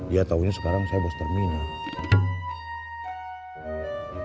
ya taunya sekarang saya bos terminal